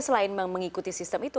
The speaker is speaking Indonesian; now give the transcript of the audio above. selain mengikuti sistem itu